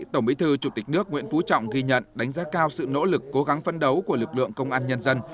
tổng bí thư chủ tịch nước nguyễn phú trọng ghi nhận đánh giá cao sự nỗ lực cố gắng phân đấu của lực lượng công an nhân dân